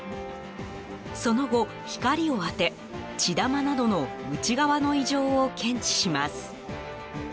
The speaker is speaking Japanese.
その後、光を当て、血玉などの内側の異常を検知します。